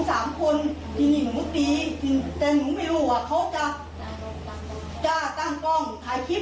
สามคนที่นี้น้องพี่แต่หลวงไม่รู้ว่าเขาจะตั้งตั้งคลิป